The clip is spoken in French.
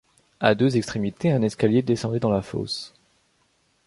À deux extrémités un escalier descendait dans la fosse.